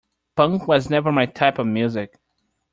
Punk was never my type of music.